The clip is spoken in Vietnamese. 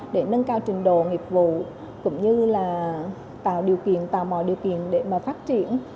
để nâng cao trình độ nghiệp vụ cũng như là tạo điều kiện tạo mọi điều kiện để mà phát triển